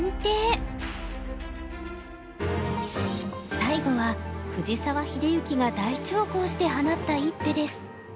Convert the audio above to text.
最後は藤沢秀行が大長考して放った一手です。